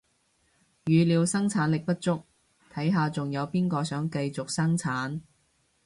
語料生產力不足，睇下仲有邊個想繼續生產